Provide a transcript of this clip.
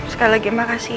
sekali lagi makasih ya